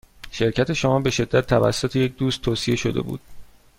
شرکت شما به شدت توسط یک دوست توصیه شده بود.